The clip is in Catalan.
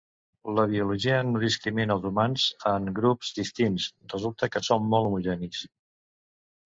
La biologia no discrimina els humans en grups distints, resulta que som molt homogenis.